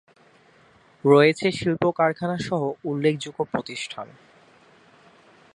রয়েছে শিল্পকারখানা সহ উল্লেখযোগ্য প্রতিষ্ঠান।